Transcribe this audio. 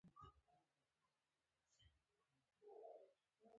داسې دوې جملې ولیکئ چې دوه صفتونه په کې راغلي وي.